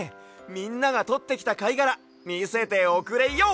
みんながとってきたかいがらみせておくれＹＯ！